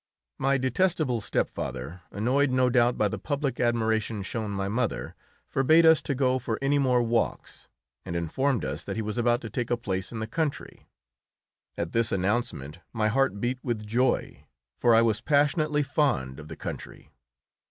My detestable stepfather, annoyed no doubt by the public admiration shown my mother, forbade us to go for any more walks, and informed us that he was about to take a place in the country. At this announcement my heart beat with joy, for I was passionately fond of the country.